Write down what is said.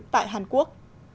tại hàn quốc